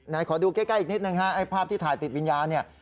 นายขอดูใกล้อีกนิดหนึ่งฮะภาพที่ถ่ายปิดวิญญาณนี่